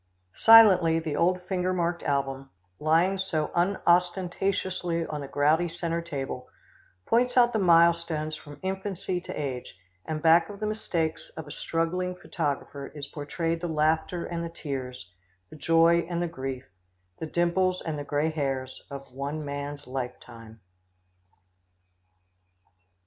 Silently the old finger marked album, lying so unostentatiously on the gouty centre table, points out the mile stones from infancy to age, and back of the mistakes of a struggling photographer is portrayed the laughter and the tears, the joy and the grief, the dimples and the gray hairs of one man's life tine.